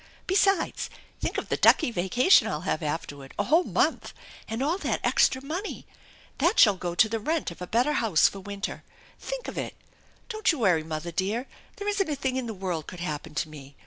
Besides, think of the ducky vacation I'll have afterward, a whole month ! And all that extra money ! That shall go to the rent of a bet jer house for winter ! Think of it! Don't you worry, mother dear! There isn't a thing in the world could happen to me.